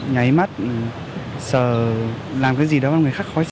nhảy mắt sờ làm cái gì đó người khác khói